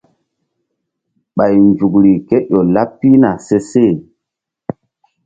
Ɓay nzukri ké ƴo laɓ pihna seseh.